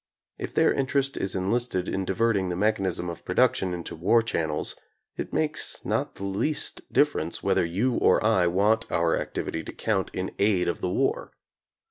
If their interest is en listed in diverting the mechanism of production into war channels, it makes not the least difference whether you or I want our activity to count in aid of the war.